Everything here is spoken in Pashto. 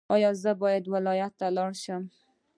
ایا زه باید ولایت ته لاړ شم؟